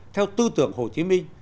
theo tư tưởng hồ chí minh